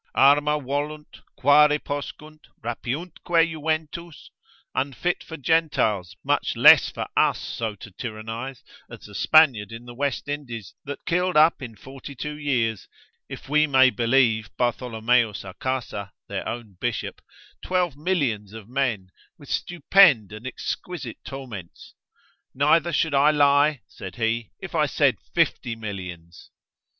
Arma volunt, quare poscunt, rapiuntque juventus? Unfit for Gentiles, much less for us so to tyrannise, as the Spaniard in the West Indies, that killed up in 42 years (if we may believe Bartholomeus a Casa, their own bishop) 12 millions of men, with stupend and exquisite torments; neither should I lie (said he) if I said 50 millions.